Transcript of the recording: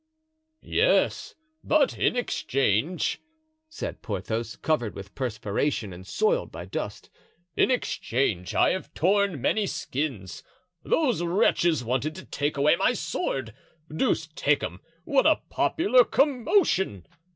"Yes, but in exchange," said Porthos, covered with perspiration and soiled by dust, "in exchange, I have torn many skins. Those wretches wanted to take away my sword! Deuce take 'em, what a popular commotion!"